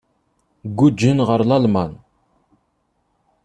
Guǧǧen ɣer Lalman.